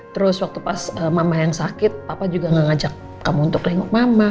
terus waktu pas mama yang sakit papa juga gak ngajak kamu untuk linguk mama